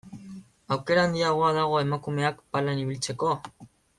Aukera handiagoa dago emakumeak palan ibiltzeko?